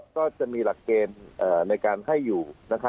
ก็จะมีหลักเกณฑ์ในการให้อยู่